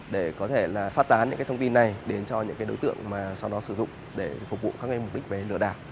để có thể là phát tán những thông tin này đến cho những đối tượng mà sau đó sử dụng để phục vụ các mục đích về lừa đảo